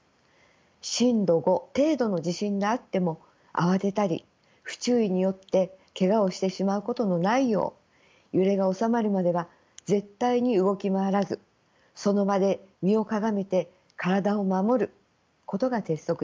震度５程度の地震であっても慌てたり不注意によってけがをしてしまうことのないよう揺れがおさまるまでは絶対に動き回らずその場で身をかがめて体を守ることが鉄則です。